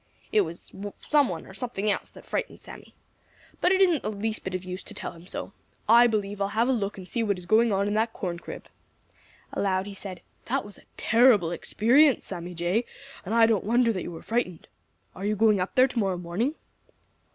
"It was some one or something else that frightened Sammy. But it isn't the least bit of use to tell him so. I believe I'll have a look and see what is going on at that corn crib." Aloud he said: "That was a terrible experience, Sammy Jay, and I don't wonder that you were frightened. Are you going up there to morrow morning?"